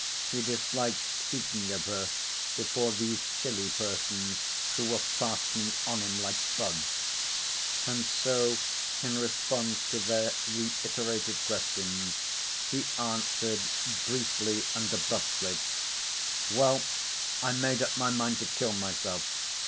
He disliked speaking of her before these chilly persons "who were fastening on him like bugs." And so in response to their reiterated questions he answered briefly and abruptly: "Well, I made up my mind to kill myself.